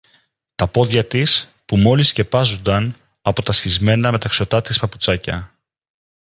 Τα πόδια της που μόλις σκεπάζουνταν από τα σχισμένα μεταξωτά της παπουτσάκια